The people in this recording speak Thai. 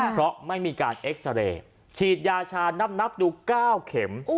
เพราะไม่มีการเอ็กซ์แสเรฉีดยาชานับนับดูก้าวเข็ม